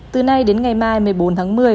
từ nay đến ngày mai một mươi bốn tháng một mươi